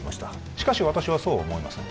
しかし私はそうは思いません